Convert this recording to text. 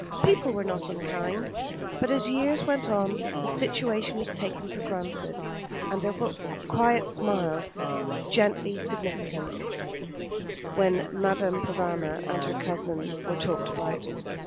People were not unkind; but as years went on the situation was taken for granted, and there were quiet smiles, gently significant, when Madame Provana and her cousin were talked about.